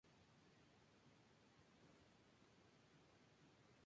La biodiversidad reduce la vulnerabilidad y aumenta la resiliencia.